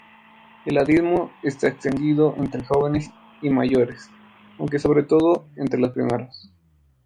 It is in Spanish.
El ateísmo está extendido entre jóvenes y mayores, aunque sobre todo entre los primeros.